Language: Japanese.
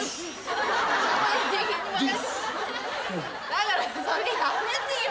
だからそれやめてよ！